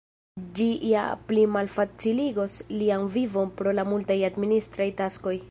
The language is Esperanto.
Ĝi ja plimalfaciligos lian vivon pro la multaj administraj taskoj.